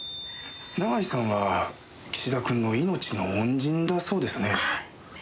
永井さんは岸田君の命の恩人だそうですね。